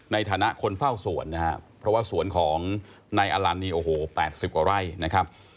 ในฐานะคนเฝ้าสวนนะครับเพราะว่าสวนของนายอลันนี่โอ้โห๘๐กว่าไร่นะครับ